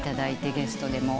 ゲストでも。